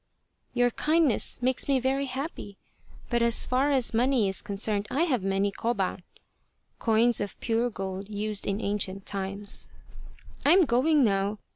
" Your kindness makes me very happy, but as far as money is concerned I have many koban [coins of pure gold used in ancient times]. I am going now.